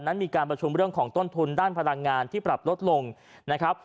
นั้นมีการประชุมเรื่องของต้นทุนด้านพลังงานที่ปรับลดลงนะครับ